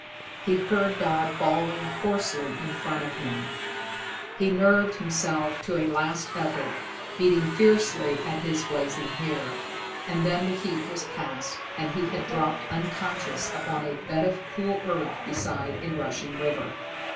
He heard Dodd bawling hoarsely in front of him, he nerved himself to a last effort, beating fiercely at his blazing hair and then the heat was past, and he had dropped unconscious upon a bed of cool earth beside a rushing river.